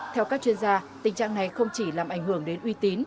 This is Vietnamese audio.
theo các chuyên gia tình trạng này không chỉ làm ảnh hưởng đến uy tín